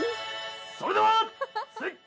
それでは。